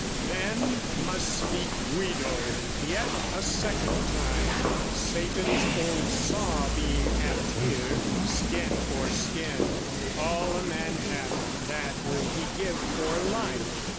Then must speak Guido yet a second time, Satan's old saw being apt here skin for skin, All a man hath that will he give for life.